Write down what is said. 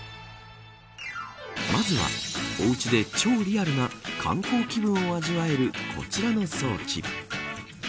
まずは、お家で超リアルな観光気分を味わえるこちらの装置。